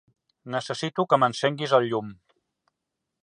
Necessito que m'encenguis el llum.